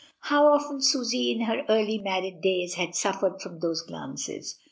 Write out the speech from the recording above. How often Susy in her early married days had suf fered from those glances.